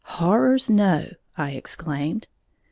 "Horrors, no!" I exclaimed.